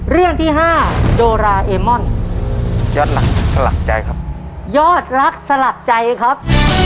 เรื่องที่ห้าโดราเอมอนยอดหลักสลักใจครับยอดรักสลักใจครับ